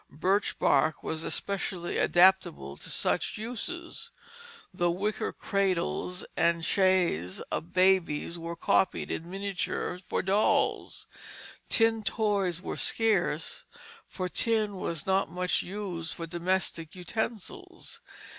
Birch bark was especially adaptable to such uses. The wicker cradles and "chaises" of babies were copied in miniature for dolls. Tin toys were scarce, for tin was not much used for domestic utensils.